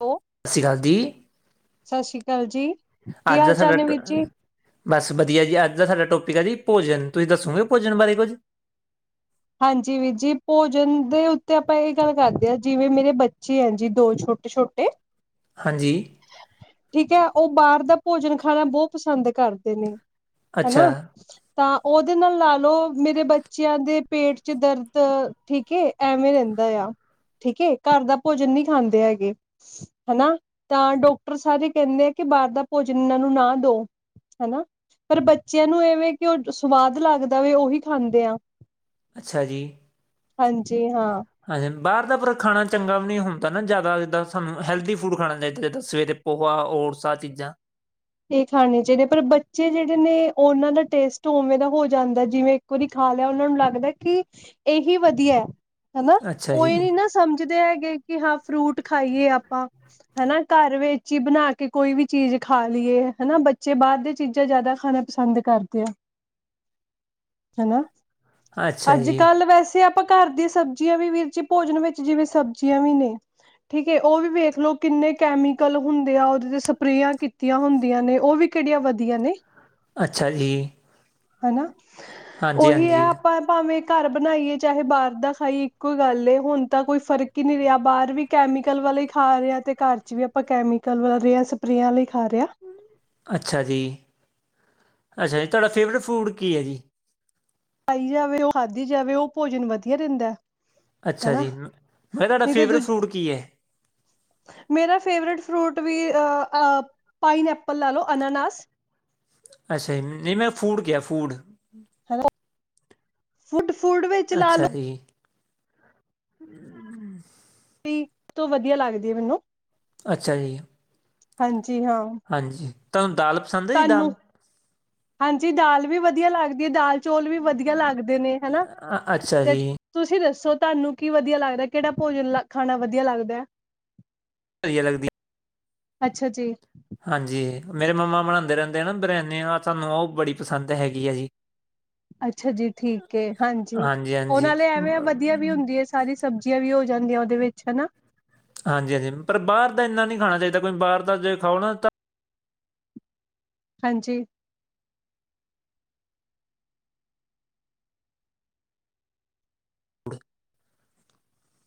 ਹੋ ਸਤਿ ਸ਼੍ਰੀ ਅਕਾਲ ਦੀ ਈ ਸਤਿ ਸ਼੍ਰੀ ਅਕਾਲ ਜੀ ਕੀ ਅੱਜ ਦਾ ਹਾਲ ਚਾਲ ਸਾਡਾ ਨੇ ਵੀਰੇ ਜੇ ਟ- ਬਸ ਵਧੀਆ ਜੀ ਅੱਜ ਦਾ ਸਾਡਾ ਟੋਪਿਕ ਐ ਜੀ ਭੋਜਨ ਤੁਹੀ ਦੱਸੋਗੇ ਭੋਜਨ ਬਾਰੇ ਕੁਝ ਹਾਂਜੀ ਵੀਰ ਜੀ ਭੋਜਨ ਦੇ ਉੱਤੇ ਆਪਾਂ ਇਹ ਗੱਲ ਕਰਦੇ ਆ ਜਿਵੇਂ ਮੇਰੇ ਬੱਚੇ ਐ ਜੀ ਦੋ ਛੋਟੇ ਛੋਟੇ ਹਾਂਜੀ ਠੀਕ ਏ ਹੈ ਉਹ ਬਾਹਰ ਦਾ ਭੋਜਨ ਖਾਣਾ ਬਹੁਤ ਪਸੰਦ ਕਰਦੇ ਨੇ ਅੱਛਾ ਹਨਾ ਤਾਂ ਉਹਦੇ ਨਾਲ ਲਾ ਲਓ ਮੇਰੇ ਬੱਚਿਆਂ ਤੇ ਪੇਟ ਚ ਦਰਦ ਠੀਕ ਏ ਐ ਐਵੇਂ ਰਹਿੰਦਾ ਆ ਟੀ ਠੀਕ ਏ ਘਰ ਦਾ ਭੋਜਨ ਨਹੀਂ ਖਾਂਦੇ ਹੈਗੇ ਹਨਾ ਤਾਂ ਡਾਕਟਰ ਸਾਰੇ ਕਹਿੰਦੇ ਐ ਕਿ ਬਾਹਰ ਦਾ ਭੋਜਨ ਇਹਨਾਂ ਨੂੰ ਨਾ ਦਓ ਹਨਾ ਪਰ ਬੱਚਿਆਂ ਨੂੰ ਏ ਵੇਂ ਕਿ ਉਹ ਸਵਾਦ ਲੱਗਦਾ ਵਾ ਉਹੀ ਖਾਂਦੇ ਆ ਅੱਛਾ ਜੀ ਹਾਂਜੀ ਹਾਂ ਹਾਂਜਨ ਬਾਹਰ ਦਾ ਪਰ ਖਾਣਾ ਚੰਗਾ ਵੀ ਨਹੀਂ ਹੁੰਦਾ ਨਾ ਜ਼ਿਆਦਾ ਜਿੱਦਾਂ ਸਾਨੂੰ ਹੈਲਦੀ ਫੂਡ ਖਾਣਾ ਚਾਹੀਦਾ ਜਿੱਦਾਂ ਸਵੇਰੇ ਪੋਹਾ ਔਰ ਸਾ ਆਂ ਚੀਜ਼ਾਂ ਆ ਇਹ ਖਾਣੇ ਚਾਹੀਦੇ ਪਰ ਬੱਚੇ ਜਿਹੜੇ ਨੇ ਉਹਨਾਂ ਦਾ ਟੇਸਟ ਉਵੇਂ ਦਾ ਹੋ ਜਾਂਦਾ ਜਿਵੇਂ ਇੱਕ ਵਾਰੀ ਖਾ ਲਿਆ ਉਹਨਾਂ ਨੂੰ ਲੱਗਦਾ ਕਿ ਇਹੀ ਵਧੀਆ ਐ ਹਨਾ ਅੱਛਾ ਉਹ ਇਹ ਜੀ ਨੀ ਨਾ ਸ ਸਮਝਦੇ ਹੈਗੇ ਕਿ ਹਾਂ ਫਰੂਟ ਖਾਈਏ ਆਪਾਂ। ਹਨਾ, ਘਰ ਵਿੱਚ ਈ ਬਣਾ ਕੇ ਕੋਈ ਵੀ ਚੀਜ਼ ਖਾ ਲੀਏ ਹਨਾ, ਬੱਚੇ ਬਾਰ ਦੀ ਚੀਜ਼ਾਂ ਜਾਦਾ ਖਾਣਾ ਪਸੰਦ ਕਰਦੇ ਆ, ਹੈਨਾ। ਅੱਛਾ ਅੱਜ ਜੀ ਕੱਲ ਵੈਸੇ ਆਪ ਆਪਾਂ ਘਰ ਦੀਆਂ ਸਬਜ਼ੀਆਂ ਵੀ ਵੀਰ ਜੀ ਭੋਜਨ ਵਿੱਚ ਜਿਵੇਂ ਸਬਜ਼ੀਆਂ ਵੀ ਨੇ। ਠੀਕ ਏ, ਓ ਵੀ ਵੇਖ ਲੋ ਕਿੰਨੇ ਕੈਮੀਕਲ ਹੁੰਦੇ ਆ ਓਦੇ ਤੇ ਸਪਰੇਆਂ ਕੀ ਕੀਤੀਆਂ ਹੁੰਦੀਆਂ ਨੇ ਓ ਵੀ ਕੇੜੀਆਂ ਵਧੀਆ ਨੇ। ਅੱਛਾ ਜੀ। ਹਨਾ, ਹਾਂਜੀ ਓਹੀ ਹੈ ਹਾਂਜੀ ਆਪਾਂ ਭਾਵੇਂ ਘਰ ਬਨਾਈਏ ਚਾਹੇ ਬਾਰ ਦਾ ਖਾਈਏ ਇੱਕੋ ਈ ਗੱਲ ਏ, ਹੁਣ ਤਾਂ ਕੋਈ ਫਰਕ ਈ ਨੀ ਰਿਆ ਬਾਰ ਵੀ ਕੈਮੀਕਲ ਵਾਲੇ ਈ ਖਾ ਰੇ ਆ ਤੇ ਘਰ ਚ ਵੀ ਆਪਾਂ ਕੈਮੀਕਲ ਵਾਲੇ ਯਾਂ ਸਪਰੇਆਂ ਆਲੇ ਈ ਖਾ ਰੇ ਆ। ਅੱਛਾ ਜੀ, ਅੱਛਾ ਜੀ ਤੁਆਡਾ ਫੇਵਰੇਟ ਫੂਡ ਕੀ ਐ ਜੀ? ਪਾਈ ਜਾਵੇ ਓ ਖਾਧੀ ਜਾਵੇ, ਓ ਭੋਜਨ ਵਧੀਆ ਰੈਂਦੈ। ਅੱਛਾ ਜੀ, ਮੈਂ -ਮੈਂ ਕਿਆ ਤੁਆਡਾ ਤੇ ਦੂ ਫੇਵਰੇਟ ਫਰੂਟ ਕੀ ਏ? ਮੇਰਾ ਫੇਵਰੇਟ ਫਰੂਟ ਵੀ ਅ ਪਾਈਨ ਐਪਲ ਲਾ ਲਓ ਅਨਾਨਾਸ। ਅੱਛਾ ਜੀ, ਨ - ਨੀ ਮੈਂ ਫੂਡ ਕਿਆ ਫੂਡ। ਹੈਲੋ! ਫੁਡ- ਫੂਡ ਵਿੱਚ ਲਾ ਲੋ ਅੱਛਾ ਜੀ [unintelligible] ਤੋਂ ਵਧੀਆ ਲੱਗਦੀ ਏ ਮੈਨੂੰ। ਅੱਛਾ ਜੀ। ਹਾਂਜੀ ਹਾਂ। ਹਾਂਜੀ, ਤੁਆਨੂੰ ਦਾਲ ਪਸੰਦ ਹੈ ਜੀ ਤਾਨੂੰ। ਦਾਲ? ਹਾਂਜੀ ਦਾਲ ਵੀ ਵਧੀਆ ਲੱਗਦੀ ਏ ਦਾਲ ਚੋਲ ਵੀ ਵਧੀਆ ਲੱਗਦੇ ਨੇ ਹਨਾ। ਅ ਅੱਛਾ ਤੇ ਜੀ, - ਤੁਸੀਂ ਦੱਸੋ, ਤੁਆਨੂੰ ਕੀ ਵਧੀਆ ਲੱਗਦੈ ਕੇੜਾ ਭੋਜਨ ਲ ਖਾਣਾ ਵਧੀਆ ਲੱਗਦੈ? ਵਦੀਆ ਲਗਦੀ ਐ। ਅੱਛਾ ਜੀ। ਹਾਂਜੀ, ਮੇਰੇ ਮੰਮਾ ਬਣਾਂਦੇ ਰੈਂਦੇ ਆ ਨਾ ਬਰਿਆਨੀ ਆ ਸਾਨੂੰ ਓ ਬੜੀ ਪਸੰਦ ਹੈਗੀ ਐ ਜੀ। ਅੱਛਾ ਜੀ, ਠੀਕ ਏ, ਹਾਂਜੀ। ਓ ਹਾਂਜੀ-ਹਾਂਜੀ, ਨਾਲੇ ਐਵੇਂ ਵਧੀਆ ਵੀ ਹੁੰਦੀ ਏ - ਸਾਰੀ ਸਬਜ਼ੀਆਂ ਵੀ ਹੋ ਜਾਂਦੀਆਂ ਓਦੇ ਵਿੱਚ ਹਨਾ। ਹਾਂਜੀ- ਹਾਂਜੀ ਪਰ ਬਾਰ ਦਾ ਇੰਨਾ ਨੀ ਖਾਣਾ ਚਾਈਦਾ ਬਈ ਬਾਰ ਦਾ ਜੇ ਖਾਉ ਨਾ ਤਾਂ ਹਾਂਜੀ।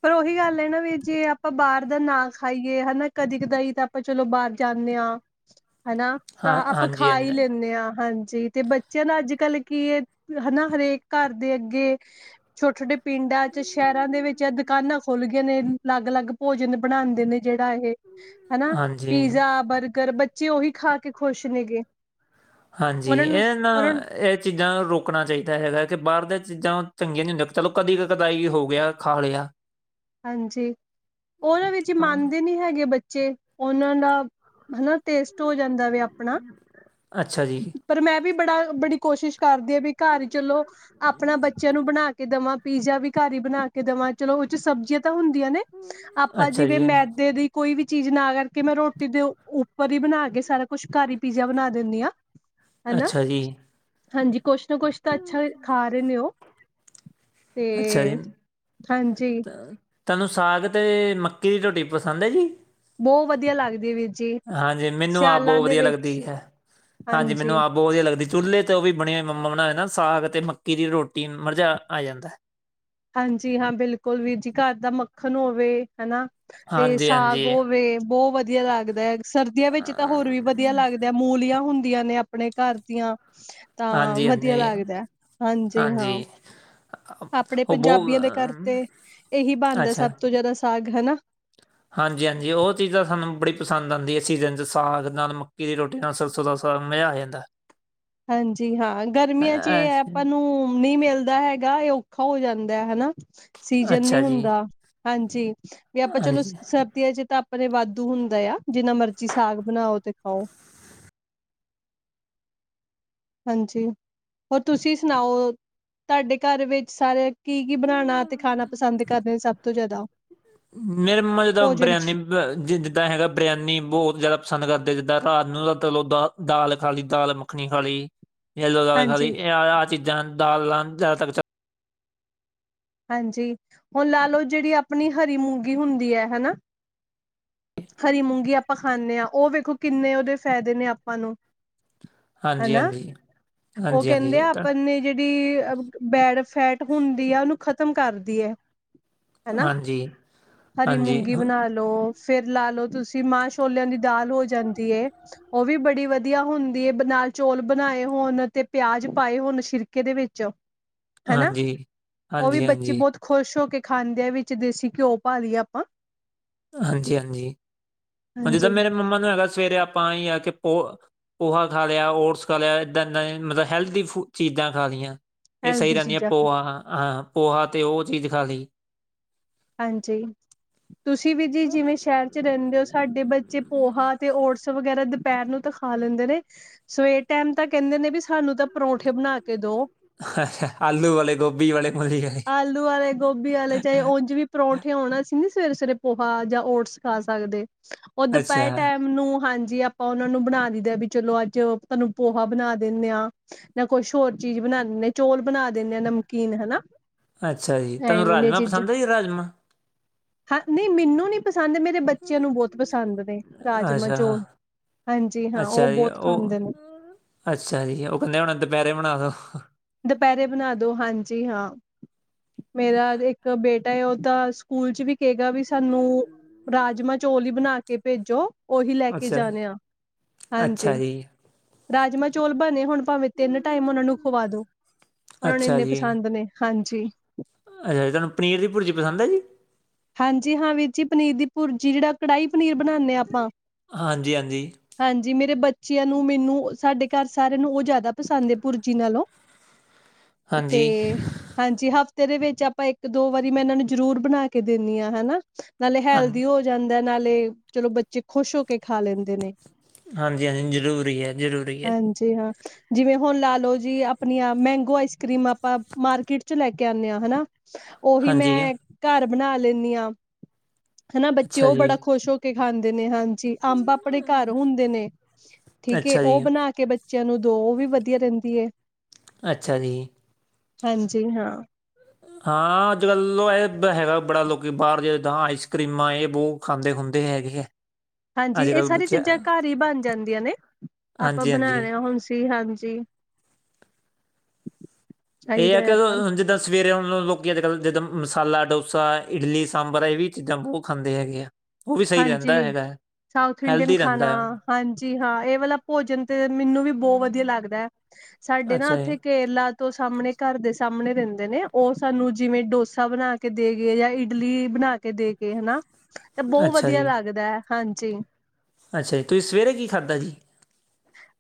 ਪਰ ਓਹੀ ਗੱਲ ਐ ਨਾ ਵੀਰ ਜੀ ਆਪਾਂ ਬਾਰ ਦਾ ਨਾ ਖਾਈਏ ਹਨਾ, ਕਦੇ ਕਦਾਈ ਤਾਂ ਆਪਾਂ ਚਲੋ ਬਾਰ ਜਾਨੇ ਆ ਹਨਾ, ਹਾਂ, ਤਾਂ ਆਪਾਂ ਹਾਂਜੀ, ਖਾ ਈ ਹਾਂਜੀ, ਲੈਂਨੇ ਆ ਹਾਂਜੀ ਤੇ ਬ ਬਚਿਆਂ ਦਾ ਅੱਜ ਕੱਲ੍ਹ ਕੀ ਏ ਹਨਾ ਹਰੇਕ ਘਰ ਦੇ ਅੱਗੇ ਛੋਟੇ- ਛੋਟੇ ਪਿੰਡਾਂ ਚ, ਸ਼ਹਿਰਾਂ ਦੇ ਵਿੱਚ ਅ ਦ ਦੁਕਾਨਾਂ ਖੁਲ ਗਏ ਨੇ ਲੱਗ- ਲੱਗ ਭੋਜਨ ਬਣਾਂਦੇ ਨੇ ਜੇੜਾ ਇਹ। ਹਨਾ ਹਾਂਜੀ, ਪੀਜ਼ਾ, ਬਰਗਰ ਬੱਚੇ ਓਹੀ ਖਾ ਕੇ ਖ਼ੁਸ਼ ਨੇ ਗੇ। ਹਾਂਜੀ, ਏ ਨਾ ਏ - ਚੀਜ਼ਾਂ ਰੋਕਣਾ ਚਾਈਦਾ ਹੈਗਾ ਕਿ ਬਾਹਰ ਦੀਆਂ ਚੀਜ਼ਾਂ ਚੰਗੀਆਂ ਨੀ ਹੁੰਦੀਆਂ, ਚਲੋ ਕਦੀ ਕ- ਕਦਾਈ ਹੋ ਗਿਆ ਖਾ ਲਿਆ। [inaudible] ਹਾਂਜੀ, ਓ ਨਾ ਵਿੱਚ ਹਾਂ, ਮੰਨਦੇ ਨੀ ਹੈਗੇ ਬੱਚੇ। ਓਨਾਂ ਦਾ ਹਨਾ ਟੇਸਟ ਹੋ ਜਾਂਦਾ ਵੇ ਅਪਣਾ। ਅੱਛਾ ਜੀ, ਪਰ ਮੈਂ ਵੀ ਬੜਾ, ਬੜੀ ਕੋਸ਼ਿਸ਼ ਕਰਦੀ ਅ ਵੀ ਘਰ ਚਲੋ। ਆਪਣਾ ਬੱਚਿਆਂ ਨੂੰ ਬਣਾ ਕੇ ਦਵਾਂ। ਪੀਜ਼ਾ ਵੀ ਘਰ ਈ ਬਣਾ ਕੇ ਦਵਾਂ ਚਲੋ ਓ ਚ ਸਬਜ਼ ਜੀਆਂ ਤਾ ਹੁੰਦੀਆਂ ਨੇ। ਆਪਾਂ ਅੱਛਾ ਜਿਵੇਂ ਜੀ, ਮੈਧੇ ਦੀ ਕੋਈ ਵੀ ਚੀਜ਼ ਨਾ ਕਰਕੇ ਮੈਂ ਰੋਟੀ ਦੇ ਉ ਉੱਪਰ ਹੀ ਬਣਾ ਕੇ ਸਾਰਾ ਕੁਛ ਘਰ ਈ ਪੀਜ਼ਾ ਬਣਾ ਦਿੰਦੀ ਆਂ। [inaudible] ਹਨਾ ਜੀ, ਹਾਂਜੀ ਕੁਛ ਨਾ ਕੁਛ ਤਾਂ ਅੱਛਾ ਖਾ ਰਹੇ ਨੇ ਉਹ ਤੇ ਅੱਛਾ ਜੀ। ਹਾਂਜੀ ਤਾਂ- ਤੁਹਾਨੂੰ ਸਾਗ ਤੇ ਮੱਕੀ ਦੀ ਰੋਟੀ ਪਸੰਦ ਹੈ ਜੀ? ਬਹੁਤ ਵਧੀਆ ਲੱਗਦੀ ਵੀਰ ਜੀ, ਹਾਂਜੀ ਮੈਨੂੰ ਆਪ ਸਿਆਲਾਂ ਬਹੁਤ ਦੇ ਵਧੀਆ ਵਿੱਚ ਲੱਗਦੀ ਹੈ ਹਾਂਜੀ ਮੈਨੂੰ ਆਪ ਬਹੁਤ ਵਧੀਆ ਲੱਗਦੀ ਚੁੱਲ੍ਹੇ ਤੇ ਉਹ ਵੀ ਬਣੀ ਹੋਈ ਮੰਮਾ ਬਣਾਏ ਨਾ ਸਾਗ ਤੇ ਮੱਕੀ ਦੀ ਰੋਟੀ ਮਜ਼ਾ ਆ ਜਾਂਦਾ ਏ। ਹਾਂਜੀ ਹਾਂ ਬਿਲਕੁਲ ਵੀਰ ਜੀ ਘਰ ਦਾ ਮੱਖਣ ਹੋਵੇ ਹਨਾ? ਤੇ ਹਾਂਜੀ ਹਾਂਜੀ ਸਾਗ ਹੋਵੇ ਬਹੁਤ ਵਧੀਆ ਲੱਗਦਾ ਸਰਦੀਆਂ ਵਿੱਚ ਤਾਂ ਹੋਰ ਵੀ ਵਧੀਆ ਅਮ, ਲੱਗਦਾ। ਮੂਲੀਆਂ ਹੁੰਦੀਆਂ ਨੇ ਆਪਣੇ ਘਰ ਦੀਆਂ ਤਾਂ ਹਾਂਜੀ ਵਧੀਆ ਹਾਂਜੀ ਲੱਗਦਾ ਹਾਂਜੀ ਹਾਂ ਆਪਣੇ ਉਹ ਬਹੁਤ ਪੰਜਾਬੀਆ ਦੇ ਘਰ ਅਮ, ਤੇ ਇਹੀ ਬਣਦਾ ਅੱਛਾ ਸਭ ਤੋਂ ਜ਼ਿਆਦਾ ਸਾਗ ਹਨਾ? ਹਾਂਜੀ ਹਾਂਜੀ ਉਹ ਚੀਜ਼ਾਂ ਸਾਨੂੰ ਬੜੀ ਪਸੰਦ ਆਉਂਦੀ ਹੈ ਸੀਜ਼ਨ 'ਚ ਸਾਗ ਨਾਲ ਮੱਕੀ ਦੀ ਰੋਟੀ ਨਾਲ ਸਰਸੌ ਦਾ ਸਾਗ ਮਜ਼ਾ ਆ ਜਾਂਦਾ। ਹਾਂਜੀ ਹਾਂ ਗਰਮੀਆਂ ਚ ਅ- ਇਹ ਆਪਾਂ ਅੱਛਾ ਨੂੰ ਨਹੀਂ ਮਿਲਦਾ ਹੈਗਾ ਇਹ ਔਖਾ ਹੋ ਜਾਂਦਾ ਹਨਾ? ਸੀਜਨ ਨੀ ਅੱਛਾ ਜੀ ਹੁੰਦਾ ਹਾਂਜੀ ਵੀ ਆਪਾਂ ਚਲੋ ਹਾਂਜੀ ਸ ਤੇ ਆ ਜਿੱਦਾਂ ਆਪਣੇ ਵਾਧੂ ਹੁੰਦਾ ਆ ਜਿੰਨਾ ਮਰਜੀ ਸਾਗ ਬਣਾਓ ਤੇ ਖਾਓ। ਹਾਂਜੀ ਹੋਰ ਤੁਸੀਂ ਸੁਣਾਓ ਤੁਹਾਡੇ ਘਰ ਵਿੱਚ ਸਾਰੇ ਕੀ ਕੀ ਬਣਾਉਣਾ? ਤੇ ਖਾਣਾ ਪਸੰਦ ਕਰਦੇ ਨੇ ਸਭ ਤੋਂ ਜ਼ਿਆਦਾ ਭੋਜਨ ਚ? ਦਾ ਜਿੱਦਾਂ ਹੈਗਾ ਬਰਿਆਨੀ ਬਹੁਤ ਜ਼ਿਆਦਾ ਪਸੰਦ ਕਰਦੇ ਜਿੱਦਾਂ ਰਾਤ ਨੂੰ ਚਲੋ ਦਾਲ ਦਾਲ ਖਾ ਲਈ ਦਾਲ ਮੱਖਣੀ ਖਾ ਲਈ। ਯੇਲੋ ਦਾਲ ਹਾਂਜੀ ਖਾਲੀ ਆ ਆਹ ਚੀਜ਼ਾਂ ਦਾਲਾਂ ਜਿਆਦਾ ਤਾਕਤ ਹਾਂਜੀ ਹੁਣ ਲਾ ਲਓ ਜਿਹੜੀ ਆਪਣੀ ਹਰੀ ਮੂੰਗੀ ਹੁੰਦੀ ਹੈ ਹਨਾ? ਹਰੀ ਮੂੰਗੀ ਆਪਾਂ ਖਾਨੇ ਆਂ ਉਹ ਵੇਖੋ ਕਿੰਨੇ ਉਹਦੇ ਫ਼ਾਇਦੇ ਨੇ ਆਪਾਂ ਨੂੰ। ਹਾਂਜੀ ਹਨਾ ਹਾਂਜੀ ਉਹ ਹਾਂਜੀ ਹਾਂਜੀ ਕਹਿੰਦੇ ਇਹ ਆ ਤਾਂ ਆਪਣੀ ਜਿਹੜੀ ਬੈਡ ਫੈਟ ਹੁੰਦੀ ਹੈ ਉਹਨੂੰ ਖ਼ਤਮ ਕਰਦੀ ਆ ਹਨਾ ਹਾਂਜੀ ਹਰੀ ਹਾਂਜੀ ਮੂੰਗੀ ਹਾਂ- ਬਣਾ ਲੋ ਫਿਰ ਲਾ ਲੋ ਤੁਸੀਂ ਮਾਂ ਛੋਲਿਆਂ ਦੀ ਦਾਲ ਹੋ ਜਾਂਦੀ ਏ। ਉਹ ਵੀ ਬੜੀ ਵਧੀਆ ਹੁੰਦੀ ਏ ਬਨਾ ਨਾਲ ਚੌਲ ਬਣਾਏ ਹੋਣ ਤੇ ਪਿਆਜ ਪਾਏ ਹੋਣ ਸ਼ਿਰਕੇ ਦੇ ਵਿੱਚ। ਹਨਾ ਹਾਂਜੀ ਹਾਂਜੀ ਉਹ ਵੀ ਬੱਚੀ ਹਾਂਜੀ ਬਹੁਤ। ਖੁਸ਼ ਹੋ ਕੇ ਖਾਂਦੇ ਆਂ ਵਿੱਚ ਦੇਸੀ ਘਿਓ ਪਾ ਲਈਏ ਆਪਾਂ। ਹਾਂਜੀ ਹਾਂਜੀ ਹੁਣ ਜਿੱਦਾਂ ਹਾਂਜੀ ਮੇਰੇ ਮੰਮਾ ਨੂੰ ਹੈਗਾ ਸਵੇਰੇ ਆਪਾਂ ਆ ਆ ਕੇ ਪੋ ਪੋਹਾ ਖਾ ਲਿਆ ਓਟਸ ਖਾ ਲਿਆ ਇੱਦਾਂ ਈ ਮਤਲਬ ਹੈਲਦੀ ਫ ਚੀਜ਼ਾਂ ਖਾ ਲਈਆਂ। ਇਹ ਸਹੀ ਹੈਲਦੀ ਰਹਿੰਦੀਆਂ ਚੀਜ਼ਾਂ ਪੋਹਾ ਹਾਂ ਪੋਹਾ ਤੇ ਉਹ ਚੀਜ਼ ਖਾ ਲਈ। ਹਾਂਜੀ ਤੁਸੀਂ ਵੀ ਜੀ ਜਿਵੇਂ ਸ਼ਹਿਰ ਚ ਰਹਿੰਦੇ ਹੋ। ਸਾਡੇ ਬੱਚੇ ਪੋਹਾ ਤੇ ਓਟਸ ਵਗੈਰਾ ਦੁਪਹਿਰ ਨੂੰ ਤਾਂ ਖਾ ਲੈਂਦੇ ਨੇ। ਸਵੇਰੇ ਟਾਈਮ ਤਾਂ ਕਹਿੰਦੇ ਨੇ ਵੀ ਸਾਨੂੰ ਤਾਂ ਪਰੌੋਂਂਠੇ ਬਣਾ ਕੇ ਦੋ। ਅੱਛਾ ਆਲੂ ਵਾਲੇ ਗੋਭੀ ਵਾਲੇ ਮੂਲੀ ਵਾਲੇ ਆਲੂ ਵਾਲੇ ਗੋਭੀ ਵਾਲੇ ਚਾਹੇ ਉਂਝ ਵੀ। ਪਰੌਂਠੇ ਹੋਣ ਅਸੀ ਨੀ ਸਵੇਰੇ ਸਵੇਰੇ ਪੋਹਾ ਜਾਂ ਓਟਸ ਖਾ ਸਕਦੇ। ਉਹ ਅੱਛਾ ਦੁਪਹਿਰ ਟਾਈਮ ਨੂੰ ਹਾਂਜੀ ਆਪਾਂ ਆਪਾਂ ਉਹਨਾਂ ਨੂੰ ਬਣਾ ਦਿੰਦੇ ਵੀ ਚਲੋ ਅੱਜ ਤੁਹਾਨੂੰ ਪੋਹਾ ਬਣਾ ਦਿੰਦੇ ਹਾਂ। ਜਾਂ ਕੁਛ ਹੋਰ ਚੀਜ਼ ਬਣਾ ਦਿੰਦੇ ਚੋਲ ਬਣਾ ਦਿੰਦੇ ਆ ਨਮਕੀਨ ਹਨਾ। ਅੱਛਾ ਜੀ। ਤੁਹਾਨੂੰ ਐਵੇਂ ਦੀਆਂ ਰਾਜਮਾਂ ਚੀਜ਼ਾਂ ਪਸੰਦ ਹੈ ਜੀ ਰਾਜਮਾਂ। ਹਾਂ ਨੀ ਮੈਨੂੰ ਨਹੀਂ ਪਸੰਦ ਮੇਰੇ ਬੱਚਿਆਂ ਨੂੰ ਬਹੁਤ ਪਸੰਦ ਨੇ ਰਾਜਮਾਂ ਅੱਛਾ ਚੌਲ। ਹਾਂਜੀ ਹਾਂ ਉਹ ਅੱਛਾ ਜੀ ਬੋਤ ਖਾਂਦੇ ਉਹ ਨੇ। ਅੱਛਾ ਜੀ ਉਹ ਕਦੇ ਹੋਣੇ ਦੁਪਹਿਰੇ ਬਣਾ ਦੋ। ਦੁਪਹਿਰੇ ਬਣਾ ਦੋ ਹਾਂਜੀ ਹਾਂ, ਮੇਰਾ ਇੱਕ ਬੇਟ ਉਹ ਤਾਂ ਸਕੂਲ ਚ ਵੀ ਕਏਗਾ ਵੀ ਸਾਨੂੰ, ਰਾਜਮਾਂ ਚੌਲ ਈ ਬਣਾ ਕੇ ਭੇਜੋ। ਉਹੀ ਲੈ ਕੇ ਅੱਛਾ ਜੀ ਜਾਣੇ ਆ, ਹਾਂਜੀ। ਅੱਛਾ ਜੀ ਰਾਜਮਾਂ ਚੋਲ ਬਣੇ ਹੁਣ ਭਾਵੇਂ ਤਿੰਨ ਟਾਈਮ ਉਹਨਾ ਨੂੰ ਖਵਾ ਦੋ। ਉਹਨਾਂ ਨੂੰ ਅੱਛਾ ਇੰਨੇ ਜੀ, ਪਸੰਦ ਨੇ ਹਾਂਜੀ ਅੱਛਾ ਤੁਹਾਨੂੰ ਪਨੀਰ ਦੀ ਭੁਰਜੀ ਪਸੰਦ ਐ ਜੀ? ਹਾਂਜੀ ਹਾਂ ਵੀਰ ਜੀ ਪਨੀਰ ਦੀ ਭੁਰਜੀ ਜਿਹੜਾ ਕੜਾਹੀ ਪਨੀਰ ਬਣਾਨੇ ਆ ਆਪਾਂ। ਹਾਂਜੀ-ਹਾਂਜੀ। ਹਾਂਜੀ ਮੇਰੇ ਬੱਚਿਆਂ ਨੂੰ ਮੈਨੂੰ ਸਾਡੇ ਘਰ ਸਾਰਿਆਂ ਨੂੰ ਉਹ ਜ਼ਿਆਦਾ ਪਸੰਦ ਐ ਪੁਰਜੀ ਨਾਲੋਂ। [inaudible] ਤੇ, ਹਾਂਜੀ ਹਫ਼ਤੇ ਦੇ ਵਿੱਚ ਆਪਾਂ ਇੱਕ ਦੋ ਵਾਰੀ ਮੈਂ ਇਹਨਾਂ ਨੂੰ ਜ਼ਰੂਰ ਬਣਾ ਕੇ। ਕੇ ਦਿੰਨੀ ਆ ਹਨਾ, ਨਾਲੇ ਹਾਂ ਹੈਲਦੀ ਹੋ ਜਾਂਦਾ ਐ ਨਾਲੇ ਚਲੋ ਬੱਚੇ ਖੁਸ਼ ਹੋ ਕੇ ਖਾ ਲੈਂਦੇ ਨੇ। ਹਾਂਜੀ-ਹਾਂਜੀ ਜ਼ਰੂਰੀ ਐ ਜ਼ਰੂਰੀ ਐ ਜੀ। ਜੀ ਹਾਂ, ਜਿਵੇਂ ਹੁਣ ਲਾ ਲੋਓ ਜੀ ਆਪਣੀਆਂ ਮੈਂਗੋ ਆਈਸ ਕਰ੍ਰੀਮ ਆਪਾਂ ਮਾਰਕੀਟ ਚ ਲੈ ਕੇ ਆਦੇ ਆ ਹਨਾ। ਉਹੀ ਹਾਂਜੀ ਮੈਂ ਘਰ ਬਣਾ ਲੈਂਨੀ ਆ ਹਨਾ ਬੱਚੇ ਅੱਛਾ ਉਹ ਜੀ ਬੜਾ ਖੁਸ਼ ਹੋ ਕੇ। ਕੇ ਖਾਂਦੇ ਨੇ ਹਾਂਜੀ ਅੰਬ ਆਪਣੇ ਘਰ ਹੁੰਦੇ ਨੇ, ਠੀਕ ਐ ਅੱਛਾ ਜੀ ਉਹ ਬਣਾ ਕੇ ਬ ਬੱਚਿਆਂ ਨੂੰ ਦੋ ਉਹ ਵੀ ਵਧੀਆ ਰਹਿੰਦੀ ਐ। ਅੱਛਾ ਜੀ। ਹਾਂਜੀ ਹਾਂ। ਹਾਂ ਅੱਜ ਕੱਲ ਇਹ ਹੈਗਾ ਬੜਾ ਲੋਕੀ ਬਾਹਰ ਜਾਦਾਂ ਆਈਸ ਕਰ੍ਰੀਮਾਂ ਇਹ ਬੋ ਖਾਂਦੇ ਖੁੰਦੇ ਹੈਗੇ ਐ। ਹਾਂਜੀ ਇਹ ਸਾਰੀ ਚੀਜ਼ਾਂ ਘਰ ਈ ਬਣ ਜਾਂਦੀਆਂ ਨੇ ਆਪਾਂ ਹਾਂਜੀ ਹਾਂਜੀ ਬਣਾਣੇ ਹੁਣ ਜੀ ਹਾਂਜੀ। ਇਹ ਆ ਚਾਹੀਦਾ ਕਿ ਹੈ ਆਪਾਂ ਨੂੰ ਉਝ ਜਿੱਦਾਂ ਸਵੇਰੇ ਉਹ ਲੋਕ ਅੱਜ ਕੱਲ੍ਹ ਜਿੱਦਾਂ ਮਸਾਲਾ ਡੋਸਾ ਇਡਲੀ ਸਾਂਬਰ ਇਹ ਵੀ ਚੀਜ਼ਾਂ ਬਹੁਤ ਖਾਂਦੇ ਹੈਗੇ ਆ। ਉਹ ਵੀ ਸਹੀ ਰਹਿੰਦਾ ਹੈਗਾ। ਸਾਓਥ ਇੰਡੀਅਨ ਹੈਲਦੀ ਖਾਣਾ ਰਹਿੰਦਾ ਹੈ। ਹਾਂਜੀ ਹਾਂ ਇਹ ਵਾਲਾ ਭੋਜਨ ਤੇ ਮੈਨੂੰ ਵੀ ਬੋਤ ਵਧੀਆ ਲੱਗਦਾ। ਸਾਡੇ ਨਾ ਅੱਛਾ ਜੀ ਉੱਥੇ ਕੇਰਲਾ। ਤੋਂ ਸਾਹਮਣੇ ਘਰ ਦੇ ਸਾਹਮਣੇ ਰਹਿੰਦੇ ਨੇ ਉਹ ਸਾਨੂੰ ਜਿਵੇਂ ਡੋਸਾ ਬਣਾ ਕੇ ਦੇ ਗਏ ਜਾਂ ਇਡਲੀ ਬਣਾ ਕੇ। ਕੇ ਦੇ ਕੇ ਹਨਾ, ਤੇ ਬਹੁਤ ਅੱਛਾ ਵਧੀਆ ਜੀ ਲੱਗਦਾ ਐ ਹਾਂਜੀ। ਅੱਛਾ ਜੀ ਤੁਸੀਂ ਸਵੇਰੇ ਕੀ ਖਾਧਾ ਸੀ?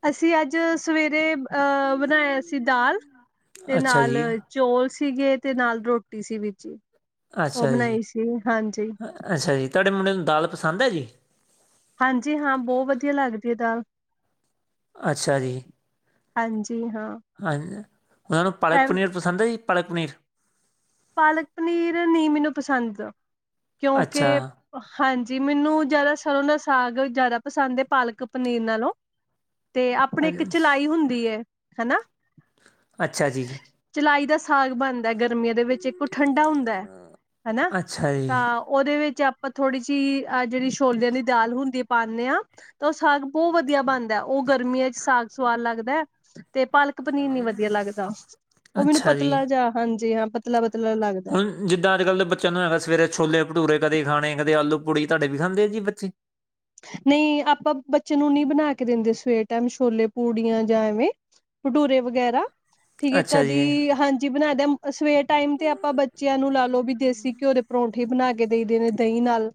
ਅਸੀਂ ਅੱਜ ਸਵੇਰੇ ਅਹ ਬਣਾਇਆ ਸੀ ਦਾਲ ਦੇ ਅੱਛਾ ਨਾਲ ਜੀ ਚੌਲ ਸੀਗੇ ਤੇ ਨਾਲ ਰੋਟੀ ਸੀ ਗੀ, ਅੱਛਾ ਜੀ, ਅੱਛਾ ਜੀ ਤੁਹਾਡੇ ਮੁੰਡੇ ਨੂੰ ਦਾਲ ਪਸੰਦ ਐ ਜੀ? ਹਾਂਜੀ ਹਾਂ ਬਹੁਤ ਵਧੀਆ ਲੱਗਦੀ ਐ ਦਾਲ, ਅੱਛਾ ਜੀ। ਹਾਂਜੀ ਹਾਂ, ਹਾਂਜੀ, ਉਹਨਾਂ ਨੂੰ ਪਾਲਕ ਐ ਪਨੀਰ ਪਸੰਦ ਐ ਜੀ ਪਾਲਕ ਪਨੀਰ? ਪਾਲਕ ਪਨੀਰ ਨੀ ਮੈਨੂੰ ਪਸੰਦ ਕਿਉਂਕਿ ਅੱਛਾ ਹਾਂਜੀ ਮੈਨੂੰ ਜ਼ਿਆਦਾ ਸਰੋਂ ਦਾ ਸਾਗ ਜ਼ਿਆਦਾ ਪਸੰਦ ਐ ਪਾਲਕ ਪਨੀਰ ਨਾਲੋਂ। ਤੇ ਆਪਣੇ ਇੱਕ ਅੱਛਾ ਚਲਾਈ ਹੁੰਦੀ ਐ ਹਨਾ। ਅੱਛਾ ਜੀ। ਚਲਾਈ ਦਾ ਸਾਗ ਬਣਦਾ ਗਰਮੀਆਂ ਦੇ ਵਿੱਚ ਇੱਕ ਓ ਠੰਡਾ ਹੁੰਦਾ ਹਨਾ, ਅੱਛਾ ਜੀ, ਤਾਂ ਓਦੇ ਵਿੱਚ ਆਪਾਂ ਥੋੜ੍ਹੀ ਜੇਈ ਆ ਜੇੜੀ ਛੋਲੇਆਂ ਦੀ ਦਾਲ ਹੁੰਦੀ ਪਾਂਨੇ ਆ। ਤਾਂ ਓ ਸਾਗ ਬੋਤ ਵੱਧੀਆ ਬਣਦਾ, ਓ ਗਰਮੀਆਂ ਚ ਸਾਗ ਸਵਾਦ ਲੱਗਦਾ ਤੇ ਪਾਲਕ ਪਨੀਰ ਨੀ ਵਧੀਆ ਲੱਗਦਾ, ਓ ਮੈਨੂੰ ਅੱਛਾ ਜੀ। ਪਤਲਾ ਜਾਦਾ ਹਾਂਜੀ ਹਾਂ ਪਤਲਾ- ਪਤਲਾ ਲੱਗਦਾ। ਜਿੱਦਾਂ ਅੱਜ -ਕੱਲ ਦੇ ਬੱਚੇਆਂ ਨੂੰ ਹੈਗਾ ਸਵੇਰੇ ਛੋਲੇ- ਭਟੂਰੇ ਕਦੇ ਖਾਣੇ, ਕਦੇ ਆਲੂ -ਪੂੜੀ ਤਾਡੇ ਵੀ ਖਾਂਦੇ ਆ ਜੀ ਬੱਚੇ? ਨਈ ਆਪਾਂ ਬੱਚੇਆ ਨੂੰ ਨਈ ਬਣਾ ਕੇ ਦਿੰਦੇ ਸਵੇਰ ਟਾਏਮ ਛੋਲੇ- ਪੂੜੀਆਂ ਜਾਂ ਐਵੇਂ। ਭਟੂਰੇ ਵਗੈਰਾ ਠੀਕ ਹੈ, ਅੱਛਾ ਜੀ, ਕਦੀ ਹਾਂਜੀ ਬਣਾਦਾ ਸਵੇਰ ਟਾਈਮ ਤੇ ਆਪਾਂ ਬੱਚੇਆਂ ਨੂੰ ਲੈ ਲਓ ਵੀ ਦੇਸੀ ਘਿਓ ਦੇ ਪਰੌਂਠੇ ਬਣਾ ਕੇ ਦੇਈ ਦੇ ਦਈ ਨਾਲ।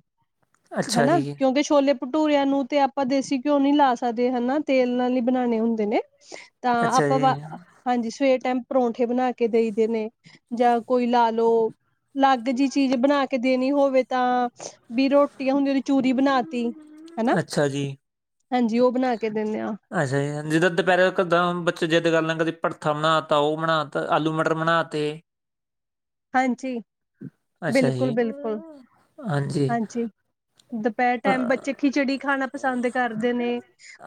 ਅੱਛਾ ਹਨਾ ਜੀ, ਕਿਓਕਿ ਛੋਲੇ -ਭਟੂੂਰੇਆਂ ਨੂੰ ਤੇ ਆਪਾਂ ਦੇਸੀ ਘਿਓ ਨੀ ਲਾ ਸਕਦੇ ਹਨਾ ਤੇਲ ਨਾਲ ਈ ਬਣਾਓਣੇ ਹੁੰਦੇ ਨੇ। ਤਾਂ ਅੱਛਾ ਜੀ, ਆਪਾਂ ਵੈ ਹਾਂਜੀ ਸਵੇਰ ਟਾਈਮ ਪਰੌਂਠੇ ਬਣਾ ਕੇ ਦੇਈ ਦੇ ਨੇ, ਜਾਂ ਕੋਈ ਲਾ ਲਓ ਅਲੱਗ ਜੇਈ ਚੀਜ਼ ਬਣਾ ਕੇ ਦੇਣੀ ਹੋਵੇ ਤਾਂ ਵੀ ਰੋਟੀ ਹੁੰਦੀ ਓਦੀ ਚੂਰੀ ਬਣਾ ਤੀ ਹਨਾ, ਅੱਛਾ ਜੀ। ਹਾਂਜੀ ਓ ਬਣਾ ਕੇ ਦਿੰਨੇ ਆ। ਅੱਛਾ ਜੀ, ਜਿੱਦਾਂ ਦੁਪਹਿਰੇ ਇੱਕ-ਦਮ ਬੱਚੇ ਜਿੱਦ ਕਰਨ ਲੱਗ ਪੈਂਦੇ, ਕਦੀ ਭਰਥਾ ਬਣਾ ਤਾ ਓ ਬਣਾ ਤੇ ਆਲੂ ਮਟਰ ਬਣਾ ਤੇ ਹਾਂਜੀ, ਅੱਛਾ ਬਿਲਕੁਲ ਜੀ, -ਬਿਲਕੁਲ ਹਾਂਜੀ। ਦੁਪਹਿਰ ਟਾਈਮ ਬੱਚੇ ਅ- ਖਿਚੜੀ ਖਾਣਾ ਪਸੰਦ ਕਰਦੇ ਨੇ।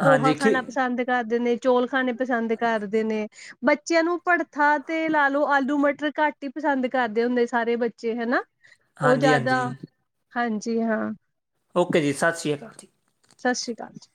ਪੋਹਾ ਹਾਂਜੀ, ਖੀ ਖਾਣਾ ਪਸੰਦ ਕਰਦੇ ਨੇ। ਚੌਲ ਖਾਣੇ ਪਸੰਦ ਕਰਦੇ ਨੇ, ਬੱਚੇਆਂ ਨੂੰ ਭੜਥਾ ਤੇ ਲਾ ਲੋ ਆਲੂ ਮਟਰ ਘੱਟ ਈ ਪਸੰਦ ਕਰਦੇ ਹੁੰਦੇ ਸਾਰੇ ਬੱਚੇ ਹਨਾ, ਓ ਹਾਂਜੀ, ਜ਼ਾਦਾ ਹਾਂਜੀ। ਹਾਂਜੀ ਹਾਂ। ਓਕੇ ਜੀ, ਸਤਿ ਸ਼੍ਰੀ ਅਕਾਲ ਜੀ। ਸਤਿ ਸ਼੍ਰੀ ਅਕਾਲ ਜੀ।